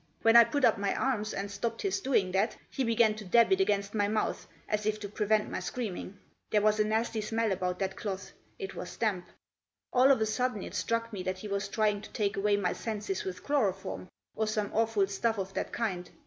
When I put up my arms, and stopped his doing that, he began to dab it against my mouth, as if to prevent my screaming. There was a nasty smell about that cloth. It was damp. All of a sudden it struck me that he was trying to take away my senses with chloroform, or some awful stuff of that kind.